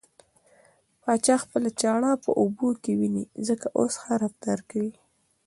پاچا خپله چاړه په اوبو کې وينې ځکه اوس ښه رفتار کوي .